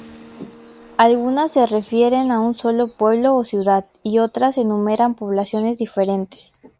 Algunas se refieren a un solo pueblo o ciudad y otras enumeran poblaciones diferentes.